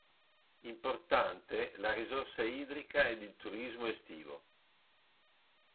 Importante la risorsa idrica ed il turismo estivo.